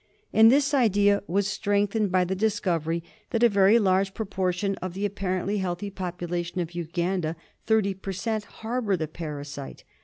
And this idea was strengthened THE SLEEPING SICKNESS. 121 by the discovery that a very large proportion of the apparently healthy population of Uganda, thirty per cent., harbour the parasite.